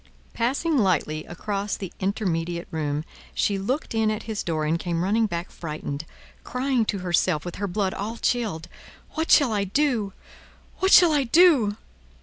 Passing lightly across the intermediate room, she looked in at his door and came running back frightened, crying to herself, with her blood all chilled, "What shall I do! What shall I do!"